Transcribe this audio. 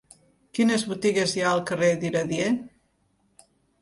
Quines botigues hi ha al carrer d'Iradier?